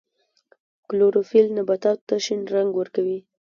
کلوروفیل نباتاتو ته شین رنګ ورکوي